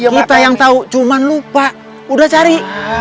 kita yang tahu cuma lupa udah cari